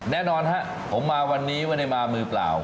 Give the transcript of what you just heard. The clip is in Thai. แน่นอนฮะผมมาวันนี้วันใหม่มามือเปล่า